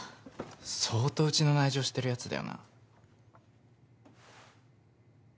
相当うちの内情知ってるやつだよな。